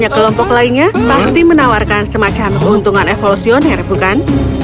dan kelompok lainnya pasti menawarkan semacam keuntungan evolusioner bukan